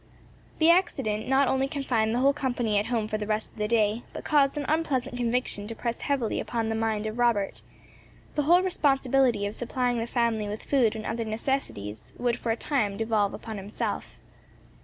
This accident not only confined the whole company at home for the rest of the day, but caused an unpleasant conviction to press heavily upon the mind of Robert the whole responsibility of supplying the family with food and other necessaries would for a time devolve upon himself.